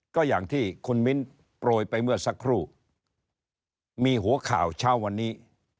ก็อย่างที่คุณมิ้นโปรยไปเมื่อสักครู่มีหัวข่าวเช้าวันนี้